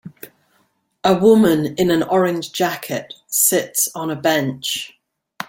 A woman in an orange jacket sits on a bench